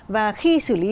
và khi xử lý